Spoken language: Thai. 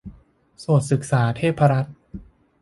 โสตศึกษาเทพรัตน์